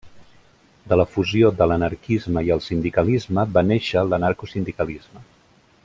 De la fusió de l'anarquisme i el sindicalisme va néixer l'anarcosindicalisme.